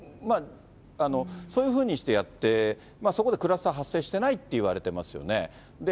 そういうふうにしてやって、そこでクラスター発生してないっていわれてますよね。